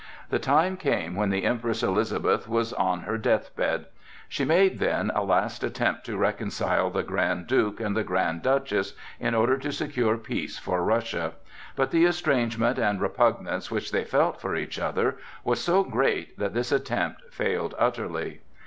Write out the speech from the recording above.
The time came when the Empress Elizabeth was on her deathbed. She made then a last attempt to reconcile the Grand Duke and the Grand Duchess, in order to secure peace for Russia; but the estrangement and repugnance which they felt for each other was so great that this attempt failed utterly.